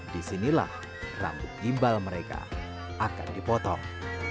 disinilah rambut gimbal mereka akan dipotong